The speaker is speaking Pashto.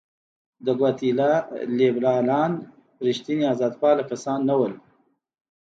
د ګواتیلا لیبرالان رښتیني آزادپاله کسان نه وو.